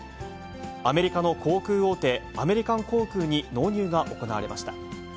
アメリカの航空大手、アメリカン航空に納入が行われました。